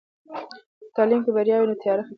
که په تعلیم کې بریا وي، نو تیاره ختمېږي.